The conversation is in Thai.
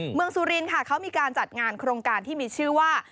สุรินค่ะเขามีการจัดงานโครงการที่มีชื่อว่า